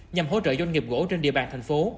nhằm hỗ trợ doanh nghiệp gỗ trên địa bàn thành phố